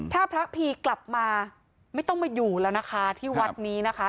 ถ้าพระพีกลับมาไม่ต้องมาอยู่แล้วนะคะที่วัดนี้นะคะ